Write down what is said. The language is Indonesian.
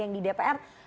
yang di dpr